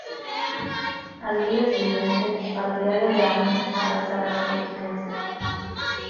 Al día siguiente, partidarios de Amín arrestaron al Presidente.